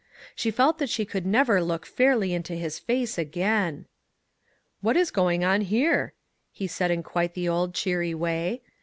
She felt that she could never look fairly into his face again. " What is going on here ?" he said in quite the old, cheery way.